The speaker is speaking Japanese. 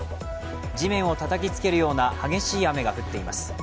地面をたたきつけるような激しい雨が降っています。